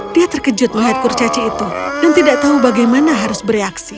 dia terkejut melihat kurcaci itu dan tidak tahu bagaimana harus bereaksi